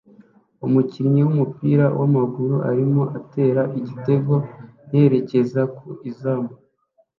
Umukinnyi wumupira wamaguru arimo atera igitego yerekeza ku izamu